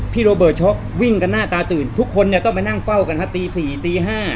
โรเบิร์ตช็อกวิ่งกันหน้าตาตื่นทุกคนเนี่ยต้องไปนั่งเฝ้ากันฮะตี๔ตี๕